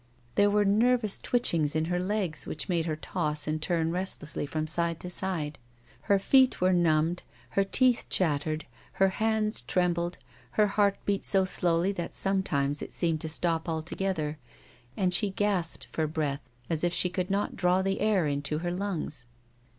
There were nervous twitchings in her legs, which made her toss and turn restlessly from side to side. Her feet were numbed, her teeth chattered, her hands trembled, her heart beat so slowly that sometimes it seemed to stop altogether ; and she gasped for breath as if she could not draw the air into her lungs.